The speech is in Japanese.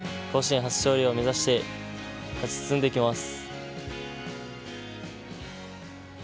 チーム全員で甲子園初勝利を目指して勝ち進んでいきます。